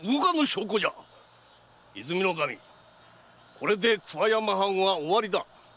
これで桑山藩は終わりだ。